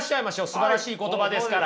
すばらしい言葉ですから。